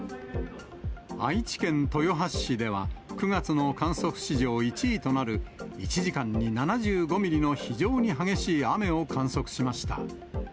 愛知県豊橋市では、９月の観測史上１位となる、１時間に７５ミリの非常に激しい雨を観測しました。